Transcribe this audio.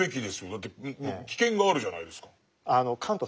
だって危険があるじゃないですか。